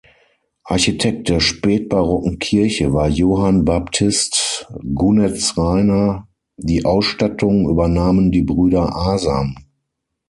Architekt der spätbarocken Kirche war Johann Baptist Gunetzrhainer, die Ausstattung übernahmen die Brüder Asam.